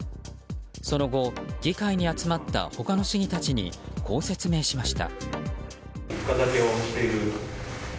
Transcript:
その後、議会に集まった他の市議たちにこう説明しました。